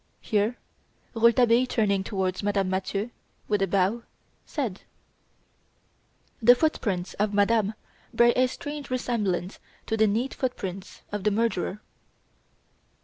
Here Rouletabille turning towards Madame Mathieu, with a bow, said: "The footprints of Madame bear a strange resemblance to the neat footprints of the murderer."